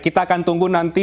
kita akan tunggu nanti